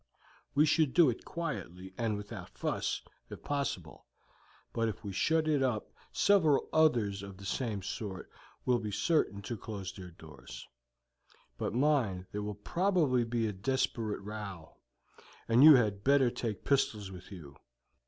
We should do it quietly, and without fuss, if possible; but if we shut it up several others of the same sort will be certain to close their doors. But mind, there will probably be a desperate row, and you had better take pistols with you.